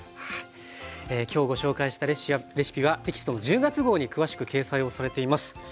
今日ご紹介したレシピはテキストの１０月号に詳しく掲載をされています。